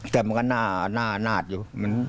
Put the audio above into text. แต่มันก็หน้านาดอยู่